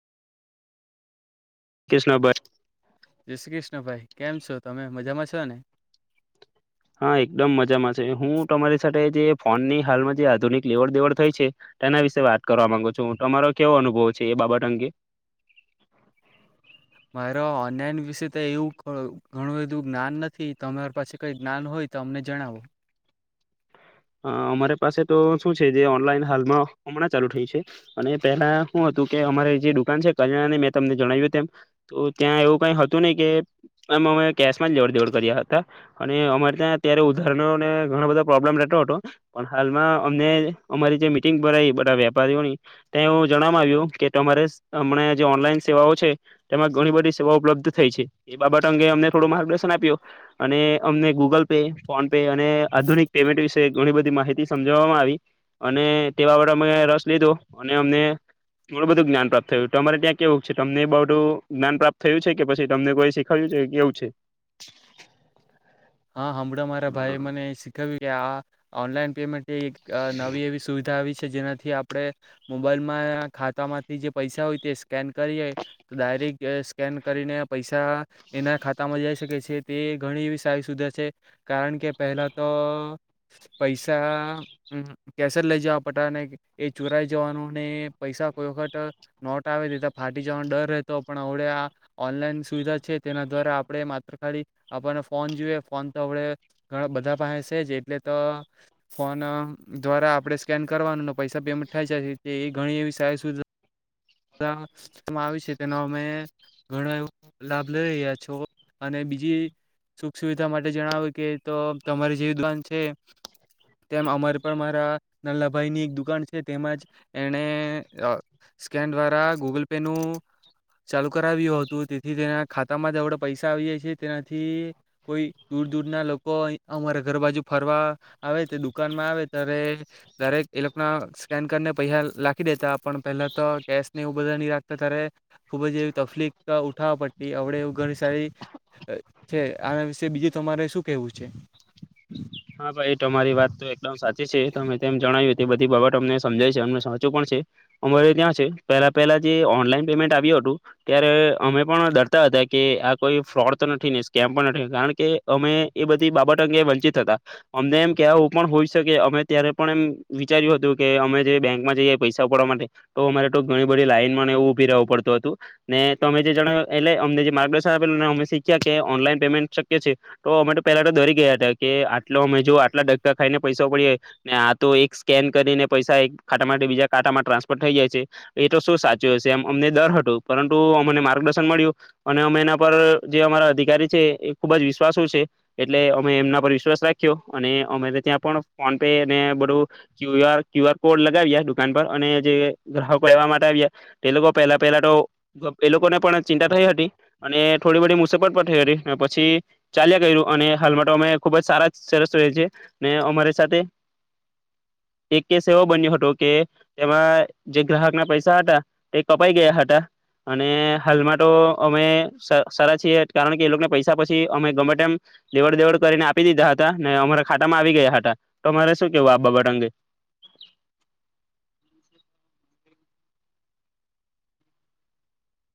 Kiss નબર જય શ્રી કૃષ્ણ ભાઈ કેમ છો તમે મજામાં છો ને હા એકદમ મજામાં છે હું તમારી સાથે જે ફોન ની હાલમાં જે આધુનિક લેવડ દેવડ થઈ છે તેના વિશે વાત કરવા માંગુ છું તમારો કેવો અનુભવ છે એ બાબત અંગે મારો ઓનલાયન વિશે તો એવું ઘણું બધું જ્ઞાન નથી તમારા પાસે કઈ જ્ઞાન હોય તો અમને જણાવો અ અમારે પાસે તો શું છે જે ઓનલાઈન હાલમાં હમણાં ચાલુ થયુ છે અને પહેલા હુ હતું કે અમારે જે દુકાન છે કરાયના ની મેં તમને જણાવ્યું તેમ તો ત્યાં એવું કઈ હતું નહી કે એમ અમે કેશમાં જ લેવડ દેવડ કર્યા હતા અને અમારે ત્યાં અત્યારે ઉધારણોને ઘણા બધા પ્રોબ્લેમ રહેતો તો પણ હાલ માં અમને અમારી જે મીટિંગ ભરાઈ બધા વેપારીઓની તે વો જણવામાં આવ્યું કે તમારે અમને જે ઓનલાઈન સેવાઓ છે તેમાં ઘણી બધી સેવાઓ ઉપલબ્ધ થઈ છે એ બાબત અંગે અમને થોડો માર્ગદર્શન આપ્યું અને અમને ગૂગલ પે ફોન પે અને આધુનિક પેમેન્ટ વિશે ઘણી બધી માહિતી સમજાવવામાં આવી અને તેવા એ અમે રસ લીધો અને અમને ઘણું બધું જ્ઞાન પ્રાપ્ત થયું તમારે ત્યાં કેવું છે તમને એ બધું જ્ઞાન પ્રાપ્ત થયું છે કે પછી તમને કોઈ શીખવા્યું છે કેવું છે હા હમણાં મારા હમ ભાઈએ મને શીખવ્યું કે આ ઓનલાઈન પેમેન્ટ એ એક નવી એવી સુવિધા આવી છે જેનાથી આપણે મોબાઈલમાં ખાતામાંથી જે પૈસા હોય તે સ્કેન કરીએ તો ડાયરેક સ્કેન કરીને પૈસા એના ખાતામાં જઈ શકે છે તે ઘણી એવી [unintelligible] સુધા છે કારણ કે પહેલા તો પૈસાઆ કેસ જ લઈ જાવા પડતા ને એ ચોરાઈ જવાનું ને પૈસા કોઈ વખત નોટ આવે દેતા ફાટી જવાનો ડર રહેતો પણ હળવે આ ઓનલાઈન સુવિધા છે તેના દ્વારા આપણે માત્ર ખાલી આપણને ફોન જોઈએ ફોન તો હવાડે ઘણા બધા પાસે છે જ એટલે તો ફોન દ્વારા આપણે સ્કેન કરવાનું ને પૈસા પેમેન્ટ થાય જાય એ ઘણી એવી સારી સુ વિધા આવી છે તેનો અમે ઘણો એવો લાભ લઈ રહ્યા છો અને બીજી સુખ સુવિધા માટે જણાવ્યું કે તો તમારી જે દુકાન છે તેમ અમારે પણ મારા નલ્લાભાઈની એક દુકાન છે તેમાંજ એને કે ન દ્વારા ગૂગલ પે નું ચાલુ કરાવ્યું હતું તેથી તેના ખા ખાતમા જ હવડે પૈસા આવી જાય છે તેયા થી કોઈ દૂર દૂરના લોકો અમારા ઘર બાજુ ફરવા આવે દુકાનમાં આવે ત્યારે દરેક એ લોકોના સ્કેન કરીને પૈહા લખી દેતા પણ પહેલાં તો કેશ ને એવું બધા નહી રાખતા ત્યારે ખુબ જ એવી તકફીલીક ઉઠાવવા પડતી આવડે એવ ઘણી સારી છે આના વિશે બીજું તમારે શું કેવું છે હા ભાઈ તમારી વાત તો એકદમ સાચી છે તમે તેમ જણાવ્યું બધી બાબત અમને સમજાય છે અમને સાચું પણ છે અમારે ત્યાં છે પહેલા પહેલા જે ઓનલાઈન પેમેન્ટ આવ્યું હતું ત્યારે અમે પણ ડરતા હતા કે આ કોઈ ફ્રોડ તો નથી ને સ્કેમ પણ નથી કારણ કે અમે એ બધી બાબત અંગે વંચિત હતા અમને એમ કવા એવું પણ હોય શકે અમે ત્યારે પણ એમ વિચાર્યું હતું કે અમે જે બેંકમાં જઈએ પૈસા ઉપાડવા માટે તો અમારે તો ઘણી બધી લાઈન માં ને એવું ઉભૂ રહેવું પડતું હતુંને તમે જે જણેવે એટલે કે અમને જે માર્ગદર્શન આપેલું ને અમે શીખ્યા કે ઓનલાઈન પેમેન્ટ શક્ય છે તો અમે તો પહેલા તો ડરી ગયા હતા કે આ એટલે અમે જો આટલા કા ખાઈને પૈસા પડી જ ને આ તો એક સ્કેન કરીને પૈસા એક ખાટા માટે બીજા ખાંામાં ટ્રાન્સફર થઈ જાય છે એ તો શું સાચું હશે એમ અમને ડર હતોું પરંતુ અમને માર્ગદર્શન મળ્યું અને અમે એના પર જે અમારા અધિકારી છે એ ખૂબ જ વિશ્વાસો છે એટલે અમે એમના પર વિશ્વાસ રાખીએ અને અમે ત્યાં પણ ફોન પે અને બધું Q R Q R code લગાવ્યા દુકાન પર અને જે ગ્રાહકો એવા માટે આવ્યા તે લોકો પહેલા પહેલા તો એ લોકોને પણ ચિંતા થઈ હતી અને થોડી બધી મુસાફત પણ થઈ હતી પછી ચાલ્યા કર્યું અને હાલમાં અમે ખુબ જ સારા સરસ છે ને અમારી સાથે એક કેસ એવો બન્યો હતો કે તેમાં જે ગ્રાહક ના પૈસા હતા તે કપાઈ ગયા હતા અને હાલમાં તો અમે સારા છીએ કારણ કે એ લોકોને પૈસા પછી અમે ગમે તેમમ દેવડ દેવડ કરીને આપી દીધા હતા ને અમારા ખાટામાં આવી ગયા હતા તો અમારે શું કેવું આ બાબત અંગે?